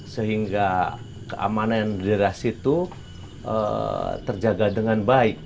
sehingga keamanan di deras itu terjaga dengan baik